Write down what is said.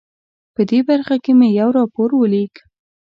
په دې برخه کې مې یو راپور ولیک.